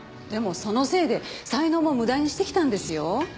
でもそのせいで才能も無駄にしてきたんですよ。